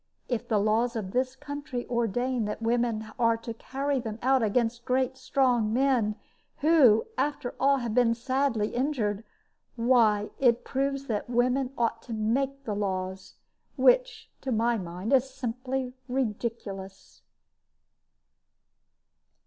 If the laws of this country ordain that women are to carry them out against great strong men, who, after all, have been sadly injured, why, it proves that women ought to make the laws, which to my mind is simply ridiculous."